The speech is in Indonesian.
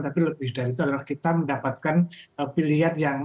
tapi lebih dari itu adalah kita mendapatkan pilihan yang